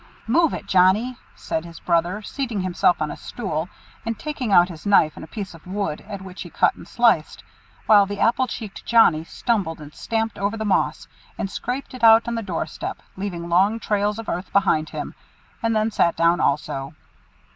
"Move it, Johnnie!" said his brother, seating himself on a stool, and taking out his knife and a piece of wood, at which he cut and sliced; while the apple cheeked Johnnie stumbled and stamped over the moss, and scraped it out on the doorstep, leaving long trails of earth behind him, and then sat down also.